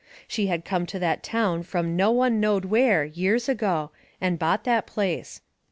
She had come to that town from no one knowed where, years ago, and bought that place.